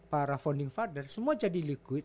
para founding father semua jadi liquid